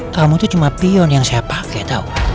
kamu itu cuma pion yang saya pakai tau